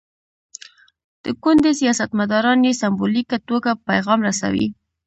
د کونډې سیاستمداران یې سمبولیکه توګه پیغام رسوي.